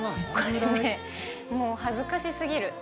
これねもう恥ずかしすぎる。